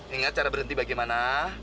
ingat cara berhenti bagaimana